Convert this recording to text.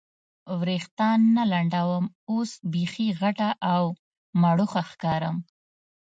وریښتان نه لنډوم، اوس بیخي غټه او مړوښه ښکارم.